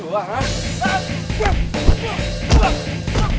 udah tau karung berat kan